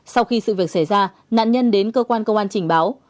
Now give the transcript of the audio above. sau khi sự việc xảy ra nạn nhân đến cơ quan công an trình báo